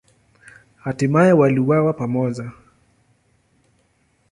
Hatimaye waliuawa pamoja.